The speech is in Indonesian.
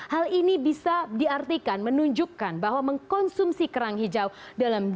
hal ini bisa diartikan menunjukkan bahwa mengkonsumsi kerang hijau